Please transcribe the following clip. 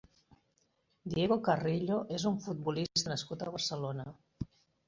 Diego Carrillo és un futbolista nascut a Barcelona.